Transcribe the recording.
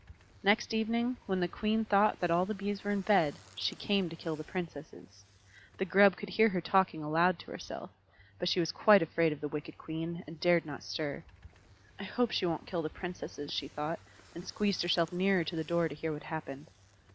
Next evening, when the Queen thought that all the Bees were in bed, she came to kill the Princesses. The Grub could hear her talking aloud to herself. But she was quite afraid of the wicked Queen, and dared not stir. "I hope she won't kill the Princesses," she thought, and squeezed herself nearer to the door to hear what happened.